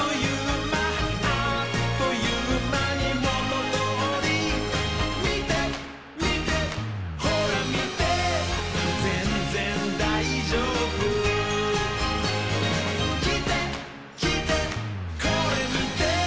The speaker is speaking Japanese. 「あっというまにもとどおり」「みてみてほらみて」「ぜんぜんだいじょうぶ」「きてきてこれみて」